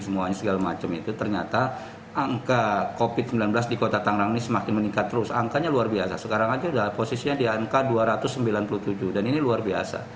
sekarang saja posisinya di angka dua ratus sembilan puluh tujuh dan ini luar biasa